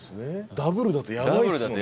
ダブルだとやばいっすもんね。